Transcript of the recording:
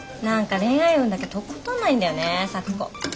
何か恋愛運だけとことんないんだよね咲子。